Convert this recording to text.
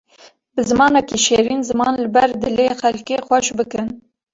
Bi zimanekî şêrîn zimên li ber dilê xelkê xweş bikin.